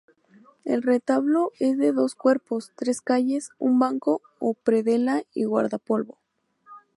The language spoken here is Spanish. El retablo es de dos cuerpos, tres calles, un banco o predela y guardapolvo.